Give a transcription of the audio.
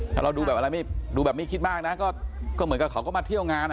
ถ้าเราดูแบบไม่คิดมากนะก็เหมือนเขาก็มาเที่ยวงาน